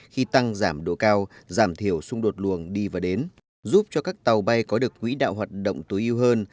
khi tăng giảm độ cao giảm thiểu xung đột luồng đi và đến giúp cho các tàu bay có được quỹ đạo hoạt động tối ưu hơn